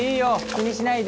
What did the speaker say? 気にしないで。